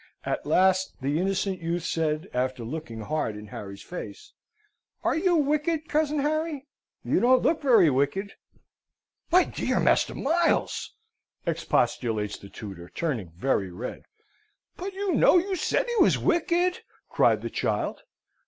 At last the innocent youth said, after looking hard in Harry's face, "Are you wicked, cousin Harry? You don't look very wicked!" "My dear Master Miles!" expostulates the tutor, turning very red. "But you know you said he was wicked!" cried the child.